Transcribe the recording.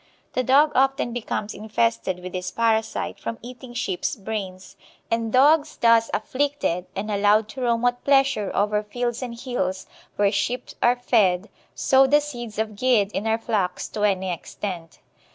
The dog often becomes infested with this parasite from eating sheeps' brains, and dogs thus afflicted and allowed to roam at pleasure over fields and hills where sheep are fed sow the seeds of gid in our flocks to any extent.